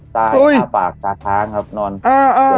แต้ปากขาดท้ายครับนอนเออเออ